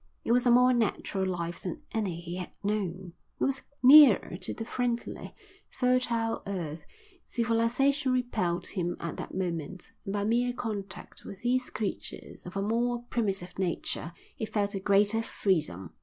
It was a more natural life than any he had known, it was nearer to the friendly, fertile earth; civilisation repelled him at that moment, and by mere contact with these creatures of a more primitive nature he felt a greater freedom.